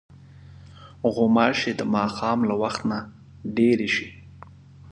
غوماشې د ماښام له وخت نه ډېرې شي.